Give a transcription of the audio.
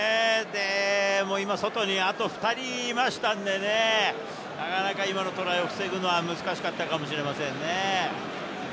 今、外にあと２人いましたんでね、なかなか今のトライを防ぐのは難しかったかもしれませんね。